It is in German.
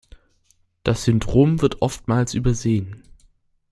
Das Syndrom wird oftmals übersehen.